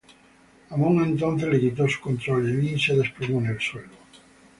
Amon entonces le quitó su control y Lin se desplomó en el suelo.